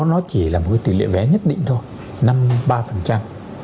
nó chỉ là một cái tỷ lệ vé nhất định thôi